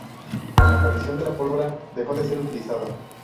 Con la aparición de la pólvora dejó de ser utilizada.